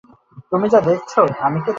তুমি যা দেখেছ, তার ব্যাখ্যা কি খুবই সহজ নয়?